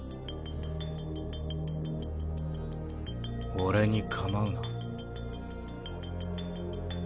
俺に構うな。